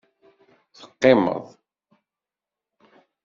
Teqqimeḍ.